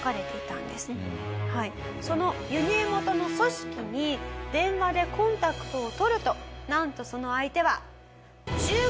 その輸入元の組織に電話でコンタクトを取るとなんとその相手は。